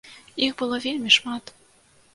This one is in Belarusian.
Іх было вельмі шмат.